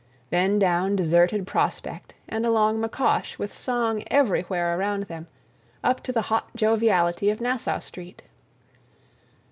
Then down deserted Prospect and along McCosh with song everywhere around them, up to the hot joviality of Nassau Street.